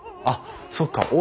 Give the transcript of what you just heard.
あっそっか。